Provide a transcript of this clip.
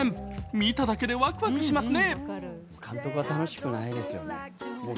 見ただけでワクワクしますね。